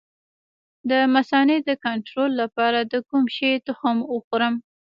د مثانې د کنټرول لپاره د کوم شي تخم وخورم؟